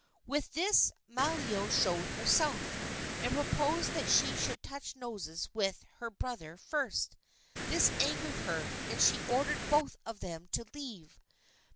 With this Malio showed herself, and proposed that she should touch noses with her brother first. This angered her, and she ordered both of them to leave.